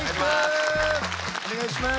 お願いします。